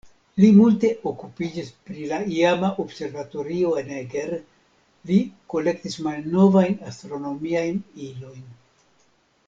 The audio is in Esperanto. Li multe okupiĝis pri la iama observatorio en Eger, li kolektis malnovajn astronomiajn ilojn.